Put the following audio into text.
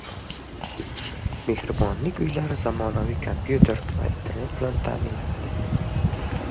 Mehribonlik uylari zamonaviy kompyuter va internet bilan ta’minlanadi